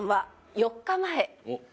４日前？